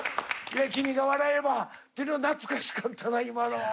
「君が笑えば」って懐かしかったな今の。